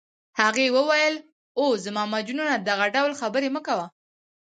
هغې وویل: اوه، زما مجنونه دغه ډول خبرې مه کوه.